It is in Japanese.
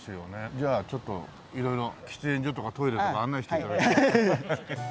じゃあちょっと色々喫煙所とかトイレとか案内して頂いて。